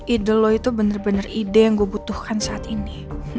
ide lo itu benar benar ide yang gue butuhkan saat ini